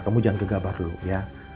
kamu jangan gegah baru ya